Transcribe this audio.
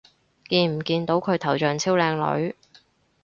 見唔見到佢頭像超靚女